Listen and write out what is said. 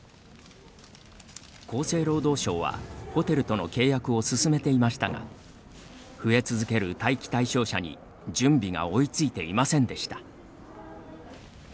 厚生労働省はホテルとの契約を進めていましたが増え続ける待機対象者に準備が追いついていませんでした。